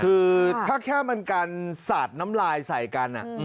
คือถ้าแค่มันการสาดน้ำลายใส่กัน